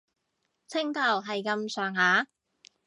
青頭係咁上下